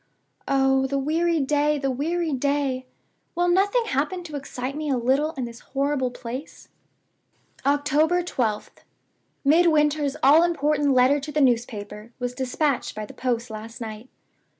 Oh, the weary day! the weary day! Will nothing happen to excite me a little in this horrible place?" "October 12th. Midwinter's all important letter to the newspaper was dispatched by the post last night.